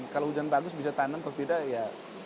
kalau hujan bagus bisa tanam kalau tidak ya